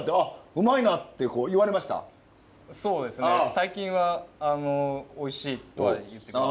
最近はおいしいとは言ってくれます。